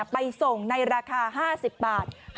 ไปส่งในราคา๕๐บาท